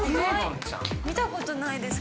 見た事ないです